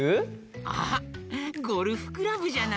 あっゴルフクラブじゃない？